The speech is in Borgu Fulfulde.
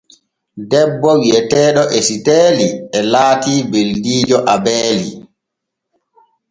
Debbo wi’eteeɗo Esiteeli e laati beldiijo Abeeli.